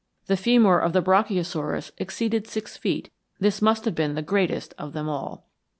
The femur of the Brachiosaurus exceeded six feet; this must have been the greatest of them all.